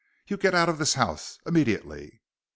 "You get out of this house! Immediately!"